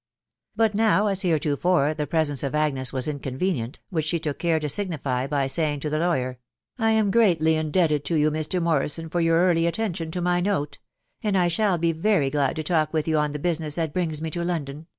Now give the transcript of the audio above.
But now, as heretofore, the presence of Agnes was inconve nient, which she took care to signify by saying to the lawyer, " I am greatly indebted to you, Mr. Morrison, for your early attention to my note ; and 1 shall be very glad to talk with you on the business that brings me to London